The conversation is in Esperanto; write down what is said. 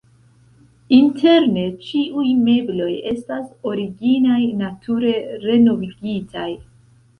Interne ĉiuj mebloj estas originaj, nature renovigitaj.